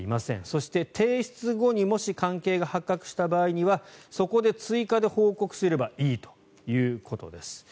そして、提出後にもし関係が発覚した場合にはそこで追加で報告すればいいということです。